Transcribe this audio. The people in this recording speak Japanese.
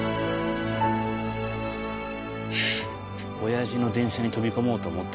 親父の電車に飛び込もうと思ったなんて嘘だよ。